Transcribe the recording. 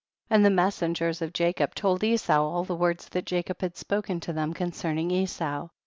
8. And the messengers of Jacob told Esau all tiie words that Jacob had spoken to them concerning Esau.